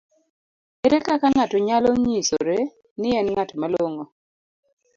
Ere kaka ng'ato nyalo nyisore ni en ng'at malong'o?